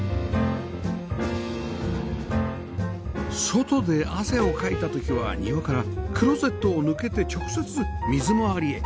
外で汗をかいた時は庭からクローゼットを抜けて直接水回りへ